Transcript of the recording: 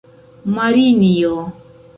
Marinjo!